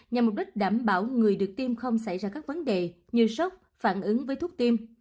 nhằm mục đích đảm bảo người được tiêm không xảy ra các vấn đề như sốc phản ứng với thuốc tiêm